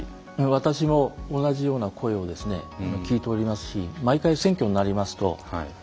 私も同じような声を聞いておりますし毎回選挙になりますと例えばうちの母親は